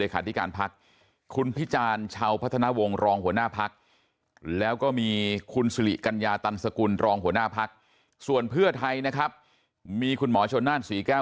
ที่การพักคุณพิจารณ์ชาวพัฒนาวงศ์รองหัวหน้าพักแล้วก็มีคุณสิริกัญญาตันสกุลรองหัวหน้าพักส่วนเพื่อไทยนะครับมีคุณหมอชนนั่นศรีแก้ว